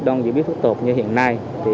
đoàn viên phát tột như hiện nay